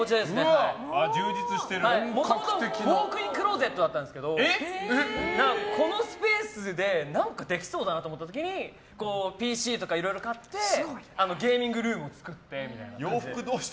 もともとウォークインクローゼットだったんですけどこのスペースで何かできそうだなと思った時にＰＣとかいろいろ買ってゲーミングルームを作って。